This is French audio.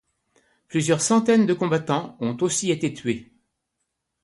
Plusieurs centaines de combattants ont aussi été tués.